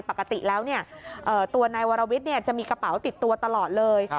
ปกติแล้วตัวนายวรวิทย์จะมีกระเป๋าติดตัวตลอดเลย